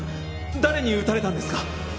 誰に撃たれたんですか？